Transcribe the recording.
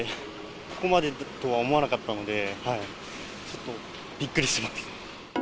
ここまでとは思わなかったので、ちょっとびっくりしてます。